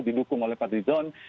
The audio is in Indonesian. didukung oleh pak fadly lizon